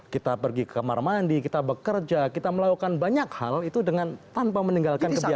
kita pergi ke kamar mandi kita bekerja kita melakukan banyak hal itu dengan tanpa meninggalkan kebiasaan